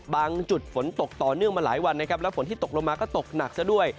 จุดฝนตกต่อเนื่องมาหลายวันนะครับแล้วฝนที่ตกลงมาก็ตกหนักซะด้วย